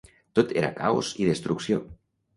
Tot era caos i destrucció.